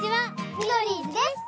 ミドリーズです！